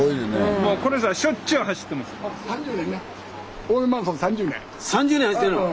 もうこの人はしょっちゅう走ってます。